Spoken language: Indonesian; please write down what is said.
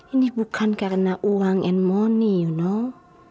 ini bukan karena uang and money you know